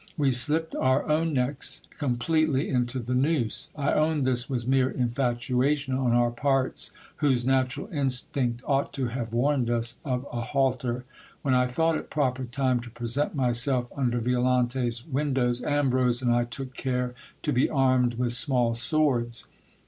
We slipt our own necks completely into the noose. I own this was mere infatuation on our parts, whose natural instinct ought to have warned us of a halter. When I thought it proper time to present myself under Violante's windows, Ambrose and I took care to be armed with small swords.